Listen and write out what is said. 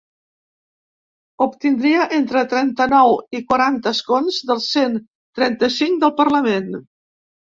Obtindria entre trenta-nou i quaranta escons dels cent trenta-cinc del parlament.